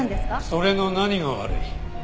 それの何が悪い？